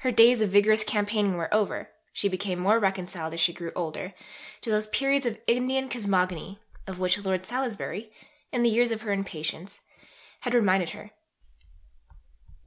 Her days of vigorous campaigning were over; she became more reconciled, as she grew older, to those "periods of Indian cosmogony" of which Lord Salisbury, in the years of her impatience, had reminded her.